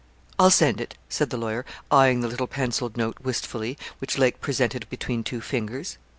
'I'll send it,' said the lawyer, eyeing the little pencilled note wistfully, which Lake presented between two fingers.